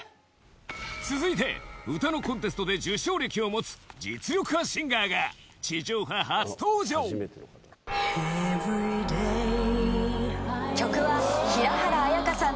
続いて歌のコンテストで受賞歴を持つ実力派シンガーが地上波初登場曲は。